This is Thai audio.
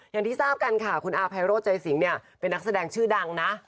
อย่างที่ทราบกันค่ะคุณอาภัยโรธใจสิงเนี่ยเป็นนักแสดงชื่อดังนะ